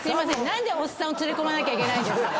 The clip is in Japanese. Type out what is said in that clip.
何でオッサンを連れ込まなきゃいけないんですか。